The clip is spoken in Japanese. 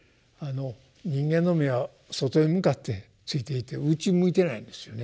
人間の目は外へ向かって付いていてうちに向いてないんですよね。